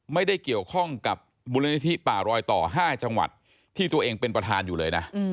ไม่ได้เกี่ยวข้องกับมูลนิธิป่ารอยต่อ๕จังหวัดที่ตัวเองเป็นประธานอยู่เลยนะ